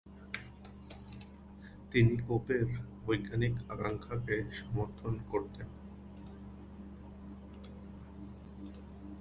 তিনি কোপের বৈজ্ঞানিক আকাঙ্ক্ষাকে সমর্থন করতেন।